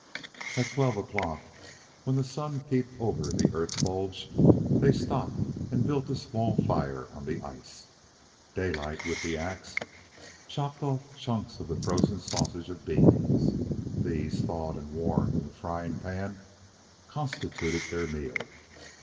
At twelve o'clock, when the sun peeped over the earth bulge, they stopped and built a small fire on the ice. Daylight, with the ax, chopped chunks off the frozen sausage of beans. These, thawed and warmed in the frying pan, constituted their meal.